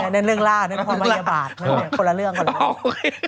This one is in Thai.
นั่นเรื่องราดนั่นความบรรยาบาทคนละเรื่องคนละเรื่อง